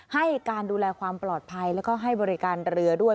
ให้การดูแลความปลอดภัยแล้วก็ให้บริการเรือด้วย